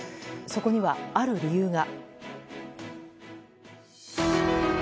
そこにはある理由が。